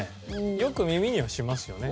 よく耳にはしますよね。